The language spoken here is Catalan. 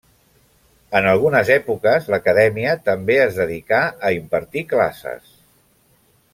En algunes èpoques l'acadèmia també es dedicà a impartir classes.